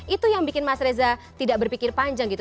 itu yang bikin mas reza tidak berpikir panjang gitu